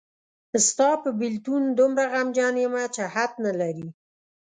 ستا په بېلتون دومره غمجن یمه چې حد نلري